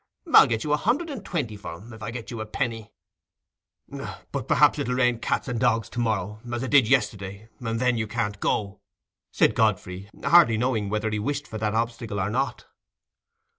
I'll get you a hundred and twenty for him, if I get you a penny." "But it'll perhaps rain cats and dogs to morrow, as it did yesterday, and then you can't go," said Godfrey, hardly knowing whether he wished for that obstacle or not.